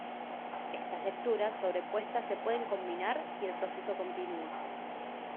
Estas lecturas sobrepuestas se pueden combinar, y el proceso continúa.